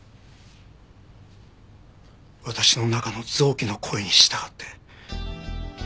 私の中の臓器の声に従って。